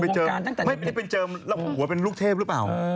จะโดนหมึก